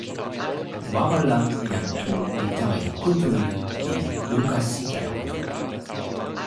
wawa la, jan Tu li tawa jan Kuntuli, li luka sike e ona.